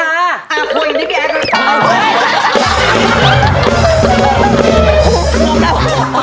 อันนี้มีแอฟ